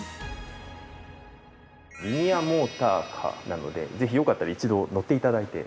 リニアモーターカーなのでぜひよかったら一度乗って頂いて。